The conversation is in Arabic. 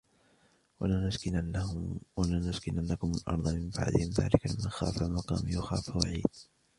وَلَنُسْكِنَنَّكُمُ الْأَرْضَ مِنْ بَعْدِهِمْ ذَلِكَ لِمَنْ خَافَ مَقَامِي وَخَافَ وَعِيدِ